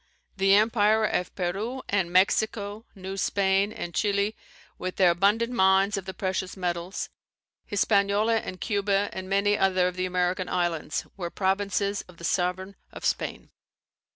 The empire of Peru and Mexico, New Spain, and Chili, with their abundant mines of the precious metals, Hispaniola and Cuba, and many other of the American Islands, were provinces of the sovereign of Spain.